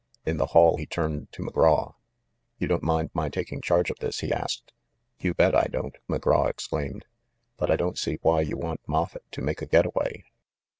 In the hall he turned to McGraw. "You don't mind my taking charge of this?" he asked. "You bet I don't!" McGraw exclaimed. "But I don't see why you want Moffett to make a get away."